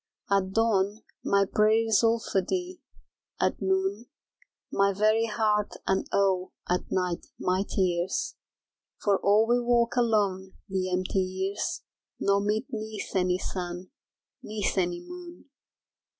At dawn my prayer is all for thee, at noon My very heart and, Oh, at night my tears For all we walk alone the empty years Nor meet neath any sun neath any moon.